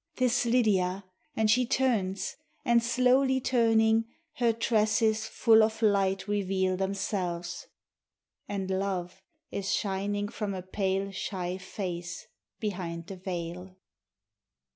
'Tis Lidia, and she turns, and slowly turning, Her tresses full of light reveal themselves, And love is shining from a pale shy face Behind the veil.